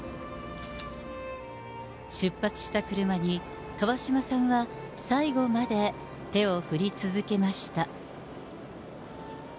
出発した車に、川嶋さんは最後まで手を振り続けました。